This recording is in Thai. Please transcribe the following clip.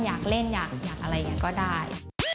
อยากเล่นอยากอะไรอย่างนี้ก็ได้